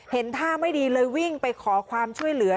เห็นท่าไม่ดีเลยวิ่งไปขอความช่วยเหลือ